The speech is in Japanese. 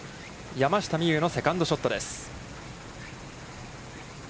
山下美夢有のセカンドショットです。